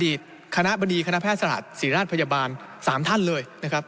คณะบดีคณะแพทย์ศรีราชพยาบาล๓ท่านเลยนะครับ